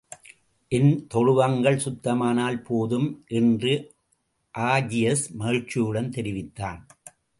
என் தொழுவங்கள் சுத்தமானால் போதும்! என்று ஆஜியஸ் மகிழ்ச்சியுடன் தெரிவித்தான்.